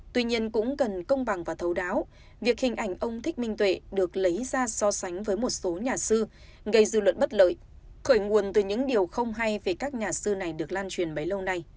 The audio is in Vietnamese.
tuy nhiên cũng cần công bằng và thấu đáo việc hình ảnh ông thích minh tuệ được lấy ra so sánh với một số nhà sư gây dư luận bất lợi khởi nguồn từ những điều không hay về các nhà sư này được lan truyền bấy lâu nay